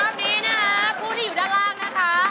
นี้นะคะผู้ที่อยู่ด้านล่างนะคะ